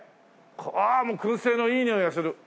ああもう燻製のいい匂いがする。